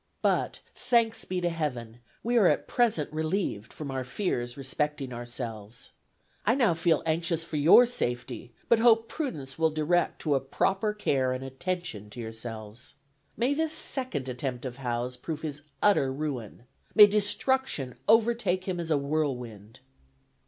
"But, thanks be to Heaven, we are at present relieved from our fears respecting ourselves. I now feel anxious for your safety, but hope prudence will direct to a proper care and attention to yourselves. May this second attempt of Howe's prove his utter ruin. May destruction overtake him as a whirlwind."